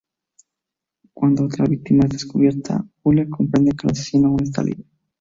Cuando otra víctima es descubierta, Hole comprende que el asesino aún está libre.